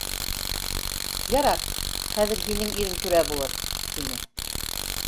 — Ярар, хәҙер һинең ирең түрә булыр, — тине.